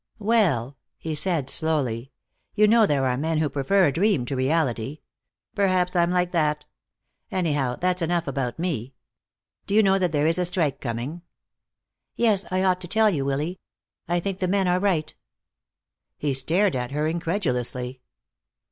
"Well," he said slowly, "you know there are men who prefer a dream to reality. Perhaps I'm like that. Anyhow, that's enough about me. Do you know that there is a strike coming?" "Yes. I ought to tell you, Willy. I think the men are right." He stared at her incredulously.